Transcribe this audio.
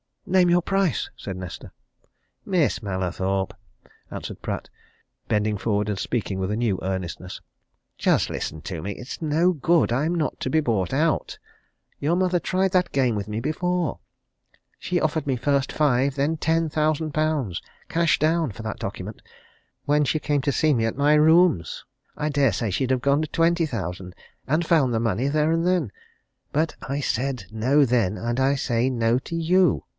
"Name your price!" said Nesta. "Miss Mallathorpe!" answered Pratt, bending forward and speaking with a new earnestness. "Just listen to me. It's no good. I'm not to be bought out. Your mother tried that game with me before. She offered me first five, then ten thousand pounds cash down for that document, when she came to see me at my rooms. I dare say she'd have gone to twenty thousand and found the money there and then. But I said no then and I say no to you!